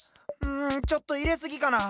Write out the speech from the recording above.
んちょっといれすぎかなあ。